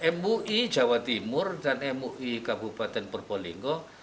mui jawa timur dan mui kabupaten probolinggo